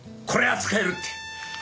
これは使えるって。